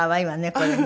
これね。